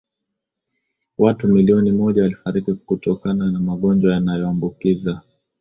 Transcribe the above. watu milioni moja walifariki kutokana na magonjwa yanayoambukiza